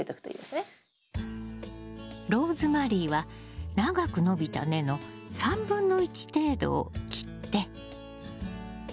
ローズマリーは長く伸びた根の３分の１程度を切って。